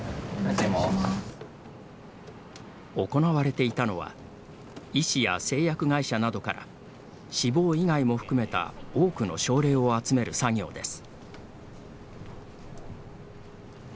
行われていたのは医師や製薬会社などから死亡以外も含めた多くの症例を集める作業です。